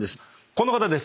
この方です。